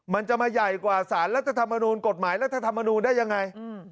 มันจะมาใหญ่กว่าสารรัฐธรรมนูลกฎหมายรัฐธรรมนูลได้ยังไง